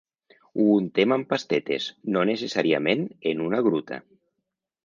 Ho untem amb pastetes, no necessàriament en una gruta.